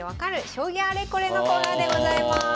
将棋あれこれ」のコーナーでございます。